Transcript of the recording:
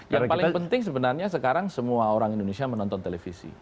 yang paling penting sebenarnya sekarang semua orang indonesia menonton televisi